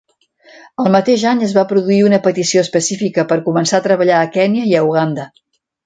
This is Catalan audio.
El mateix any es va produir una petició específica per començar a treballar a Kenya i a Uganda.